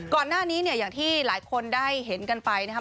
ก่อนหน้านี้เนี่ยอย่างที่หลายคนได้เห็นกันไปนะครับ